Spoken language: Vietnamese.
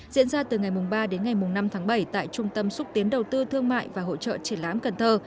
diễn ra từ ngày ba đến ngày năm tháng bảy tại trung tâm xúc tiến đầu tư thương mại và hỗ trợ triển lãm cần thơ